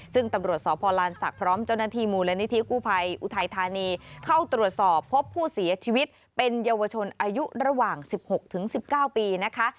ซึ่งตำรวจสพลานศักดิ์พร้อมเจ้าหน้าที่มูลนิธิกู้ภัยอุทัยธานีเข้าตรวจสอบพบผู้เสียชีวิตเป็นเยาวชนอายุระหว่าง๑๖๑๙ปีนะคะ